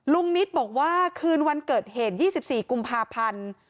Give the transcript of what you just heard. นิตบอกว่าคืนวันเกิดเหตุ๒๔กุมภาพันธ์